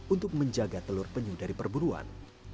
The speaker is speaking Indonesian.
untuk menjaga telur penyu dari perburuan